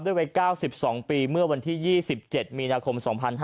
วัย๙๒ปีเมื่อวันที่๒๗มีนาคม๒๕๕๙